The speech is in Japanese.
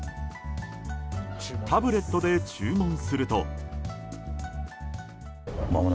タブレットで注文すると。